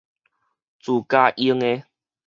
自家用的